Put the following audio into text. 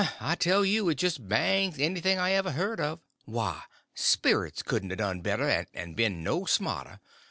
I tell you, it just bangs anything I ever heard of. Why, sperits couldn't a done better and been no smarter.